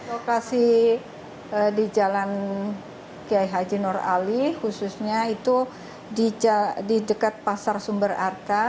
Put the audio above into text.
lokasi di jalan kiai haji nur ali khususnya itu di dekat pasar sumber arta